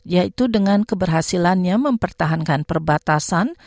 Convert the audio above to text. yaitu dengan keberhasilannya mempertahankan perbatasan